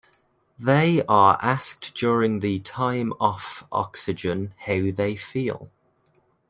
They are asked during the time off oxygen how they feel.